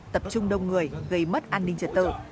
tập trung đông người gây mất an ninh trật tự